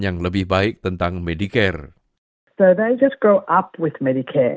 yang lebih baik tentang medicare